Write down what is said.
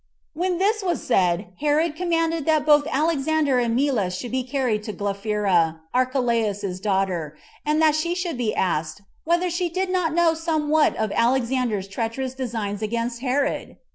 When this was said, Herod commanded that both Alexander and Melas should be carried to Glaphyra, Archelaus's daughter, and that she should be asked, whether she did not know somewhat of Alexander's treacherous designs against Herod?